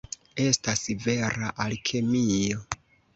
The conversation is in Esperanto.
Estas vera alkemio.